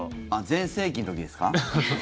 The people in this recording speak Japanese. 全盛期の時ですか？